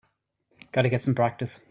Got to get some practice.